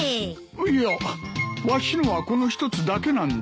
いやわしのはこの１つだけなんだ。